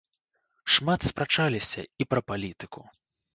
Шмат спрачаліся і пра палітыку.